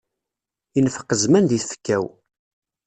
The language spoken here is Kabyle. Infeq zzman di tfekka-w.